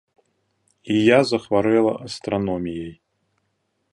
І я захварэла астраноміяй.